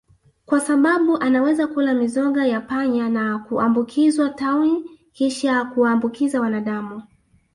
kwa sbabu anaweza kula mizoga ya panya na kuambukizwa tauni kisha kuwaambukiza wanadamu